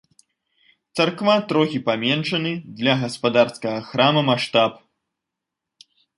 Царква трохі паменшаны для гаспадарскага храма маштаб.